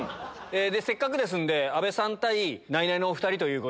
せっかくですんで阿部さん対ナイナイのお２人で。